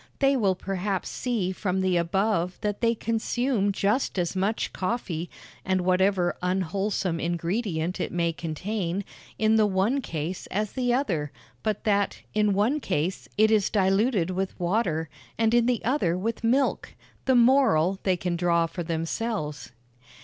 They will perhaps see from the above that they consume just as much coffee and whatever unwholesome ingredient it may contain in the one case as the other, but that, in one case, it is diluted with water, and in the other with milk. The moral they can draw for themselves.